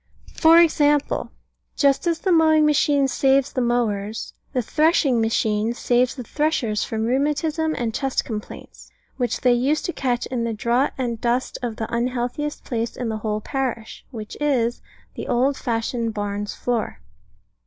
For example: just as the mowing machine saves the mowers, the threshing machine saves the threshers from rheumatism and chest complaints, which they used to catch in the draught and dust of the unhealthiest place in the whole parish, which is, the old fashioned barn's floor.